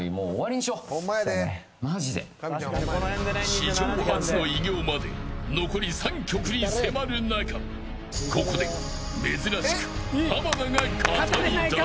史上初の偉業まで残り３曲に迫る中ここで珍しく濱田が語り出す。